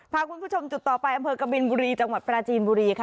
พาคุณผู้ชมจุดต่อไปอำเภอกบินบุรีจังหวัดปราจีนบุรีค่ะ